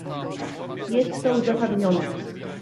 Jest to uzasadnione